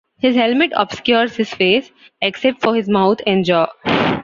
His helmet obscures his face, except for his mouth and jaw.